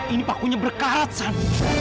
ini pakunya berkarat san